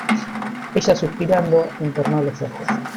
ella, suspirando , entornó los ojos